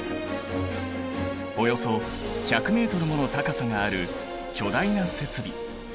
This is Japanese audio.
およそ１００ｍもの高さがある巨大な設備。